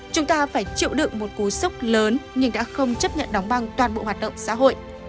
chúng ta phải chịu đựng một cú sốc lớn nhưng đã không chấp nhận đóng băng toàn bộ hoạt động xã hội